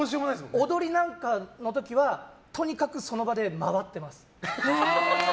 踊りなんかの時はとにかくその場で回ってます。